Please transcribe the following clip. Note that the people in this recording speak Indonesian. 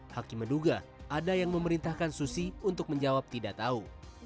hakim menduga ada yang memerintahkan susi untuk menjawab tidak tahu